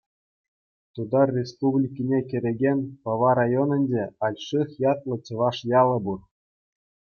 Тутар Республикине кӗрекен Пӑва район-ӗнче Альших ятлӑ чӑваш ялӗ пур.